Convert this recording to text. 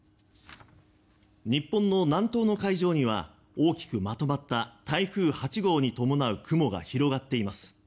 日本の南東の海上には大きくまとまった台風８号に伴う雲が広がっています。